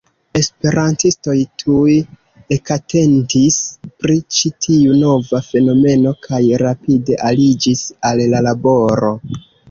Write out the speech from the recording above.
Esperantistoj tuj ekatentis pri ĉi tiu nova fenomeno, kaj rapide aliĝis al la laboro.